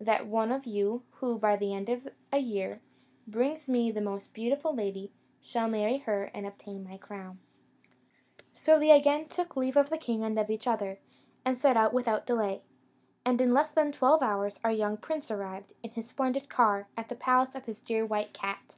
That one of you, who, by the end of a year, brings me the most beautiful lady, shall marry her and obtain my crown." So they again took leave of the king and of each other, and set out without delay; and in less than twelve hours, our young prince arrived, in his splendid car, at the palace of his dear white cat.